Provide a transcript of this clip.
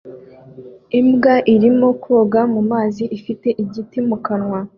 Imbwa irimo koga mu mazi ifite igiti mu kanwa